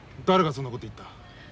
誰がそんなこと言った？